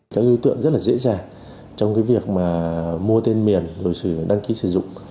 các đối tượng rất là dễ dàng trong cái việc mà mua tên miền rồi đăng ký sử dụng